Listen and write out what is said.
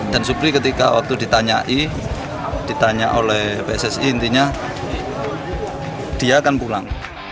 dan supriyadi ketika waktu ditanyai ditanya oleh pssi intinya dia akan pulang